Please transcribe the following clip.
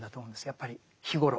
やっぱり日ごろ。